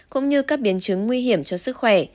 cũng như các biến chứng nguy hiểm cho sức khỏe